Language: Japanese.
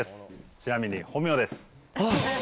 ちなみに、本名です。